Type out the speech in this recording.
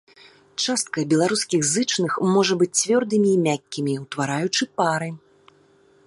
Частка беларускіх зычных можа быць цвёрдымі і мяккімі, утвараючы пары.